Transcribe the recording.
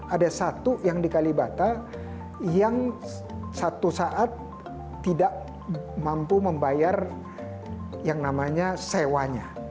ada satu yang di kalibata yang satu saat tidak mampu membayar yang namanya sewanya